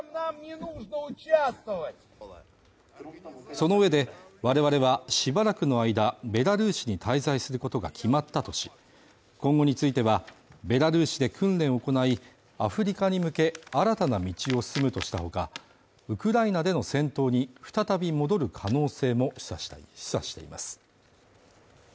その上で我々はしばらくの間、ベラルーシに滞在することが決まったとし、今後については、ベラルーシで訓練を行い、アフリカに向け、新たな道を進むとした他、ウクライナでの戦闘に再び戻る可能性も示唆しています。